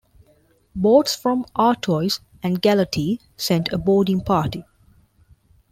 Boats from "Artois" and "Galatea" sent a boarding party.